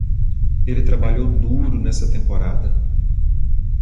Ele trabalhou duro nesta temporada.